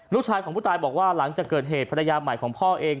ลูกชายของผู้ตายบอกว่าหลังจากเกิดเหตุภรรยาใหม่ของพ่อเอง